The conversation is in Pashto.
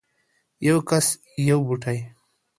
یو کس یو بوټی